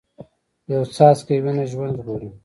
یو څاڅکی وینه ژوند ژغوري